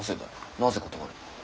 なぜ断る？